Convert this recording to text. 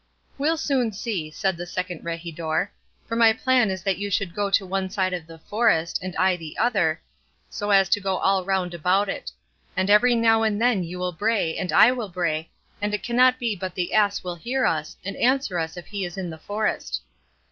'We'll soon see,' said the second regidor, 'for my plan is that you should go one side of the forest, and I the other, so as to go all round about it; and every now and then you will bray and I will bray; and it cannot be but that the ass will hear us, and answer us if he is in the forest.